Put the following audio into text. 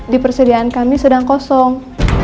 di persediaan kami sedang kosong